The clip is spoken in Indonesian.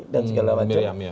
dan segala macam